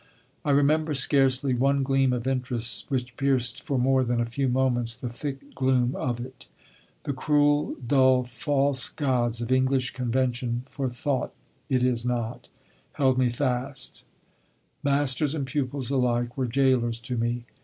I remember scarcely one gleam of interest which pierced for more than a few moments the thick gloom of it. The cruel, dull, false gods of English convention (for thought it is not) held me fast; masters and pupils alike were jailers to me.